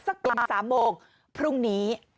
ประมาณ๓โมงพรุ่งนี้